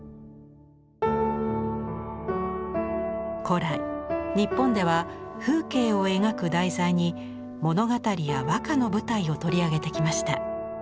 古来日本では風景を描く題材に物語や和歌の舞台を取り上げてきました。